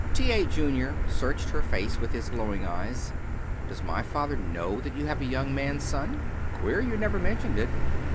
T. A. Junior searched her face with his glowing eyes. "Does my father know that you have a young man son? Queer you never mentioned it.